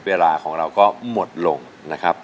เวลาของเราก็หมดลงนะครับ